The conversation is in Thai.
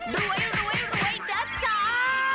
รวยรวยตัดสาว